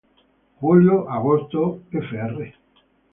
Julio-agosto, fr.